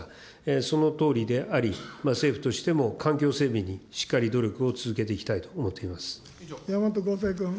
そのとおりであり、政府としても、環境整備にしっかりと努力を続けていきたいと思っております。